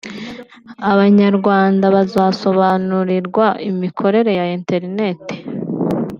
Abanyarwanda bazasobanurirwa imikorere ya Internet